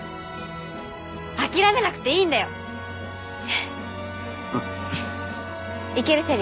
諦めなくていいんだよ。行ける？